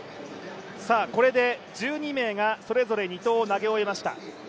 これで１２名がそれぞれ２投を投げ終えました。